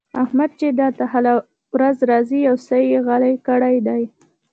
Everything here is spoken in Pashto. احمد چې دلته هره ورځ راځي؛ يو سوی يې غلی کړی دی.